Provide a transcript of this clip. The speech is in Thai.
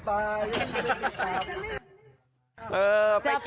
ไปกับพี่แล้วสิไป